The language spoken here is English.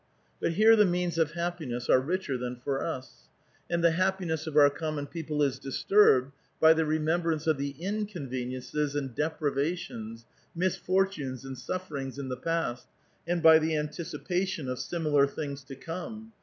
But here the means of happiness are richer than for us ; and the happiness of our common people is disturbed by the remembrance of the inconveniences and deprivations, misfortunes and sufferings in the past, and bj* the anticipa tion of similar things to come.